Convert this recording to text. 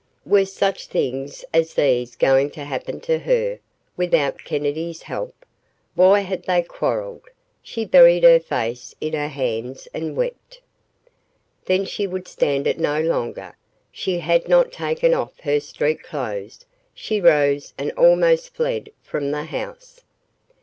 Were such things as these going to happen to her, without Kennedy's help? Why had they quarreled? She buried her face in her hands and wept. Then she could stand it no longer. She had not taken off her street clothes. She rose and almost fled from the house.